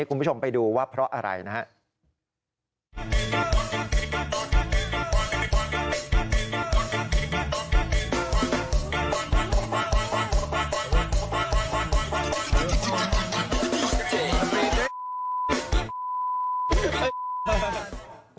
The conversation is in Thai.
คุณผู้ชมไปดูว่าเพราะอะไรนะครับ